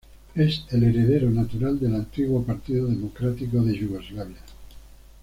Es el heredero natural del antiguo Partido Democrático de Yugoslavia.